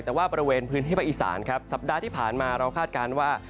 แต่ว่าบริเวณพื้นที่ภาคอีสานครับสัปดาห์ที่ผ่านมาเราคาดการณ์ว่า